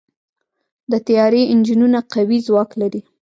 د طیارې انجنونه قوي ځواک لري.